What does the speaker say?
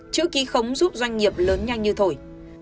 chữ ký khống giúp doanh nghiệp lớn nhanh như thổi